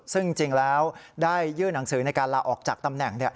ซึ่งจริงแล้วได้ยื่นหนังสือในการลาออกจากตำแหน่ง